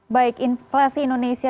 baik inflasi indonesia